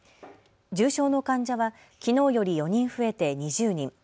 重症の患者はきのうより４人増えて２０人。